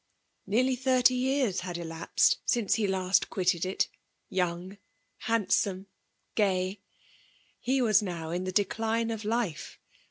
Neariy thirty years had dapsed nnce he last quitted it— young, hand«(Nsie« gi^y. He was now in the decline of life.